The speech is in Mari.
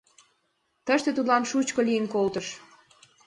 Тыште тудлан шучко лийын колтыш.